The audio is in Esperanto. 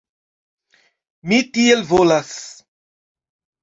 Mi tiel volas.